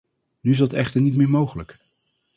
Nu is dat echter niet meer mogelijk.